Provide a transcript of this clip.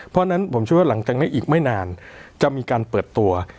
เพราะฉะนั้นผมเชื่อว่าหลังจากนี้อีกไม่นานจะมีการเปิดตัว